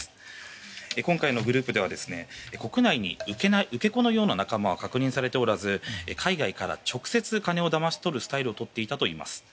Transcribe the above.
今回のグループでは国内に受け子のような仲間は確認されておらず海外から直接金をだまし取るスタイルをとっていたといいます。